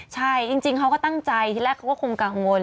ใช่จริงเขาก็ตั้งใจที่แรกเขาก็คงกังวล